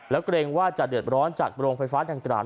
แล้วเกรงว่าจะเดือดร้อนจากโรงไฟฟ้าดังกล่าว